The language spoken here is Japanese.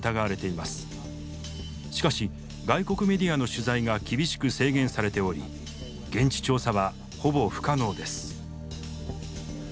しかし外国メディアの取材が厳しく制限されており現地調査はほぼ不可能です。